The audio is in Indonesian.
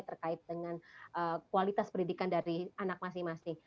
terkait dengan kualitas pendidikan dari anak masing masing